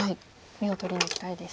眼を取りにいきたいです。